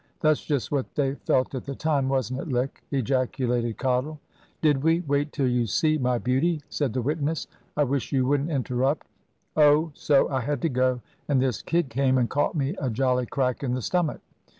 "That's just what they felt at the time, wasn't it, Lick?" ejaculated Cottle. "Did we? wait till you see, my beauty," said the witness. "I wish you wouldn't interrupt. Oh, so I had to go, and this kid came and caught me a jolly crack in the stomach."